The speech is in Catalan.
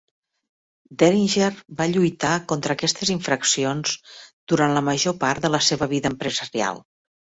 Deringer va lluitar contra aquestes infraccions durant la major part de la seva vida empresarial.